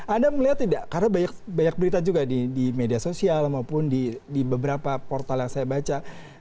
anda melihat tidak karena banyak berita juga di media sosial maupun di beberapa portal yang saya baca